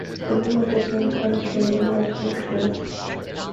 The name of the town comes from the word nucleus.